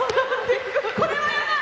これはやばい！